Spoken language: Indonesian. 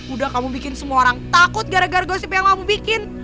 udah kamu bikin semua orang takut gara gara gosip yang kamu bikin